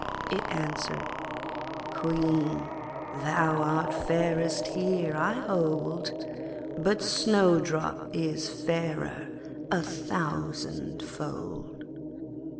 it answered 'Queen, thou art fairest here, I hold, But Snowdrop is fairer a thousandfold.'